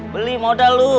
beli modal lu